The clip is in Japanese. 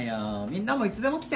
みんなもいつでも来てね。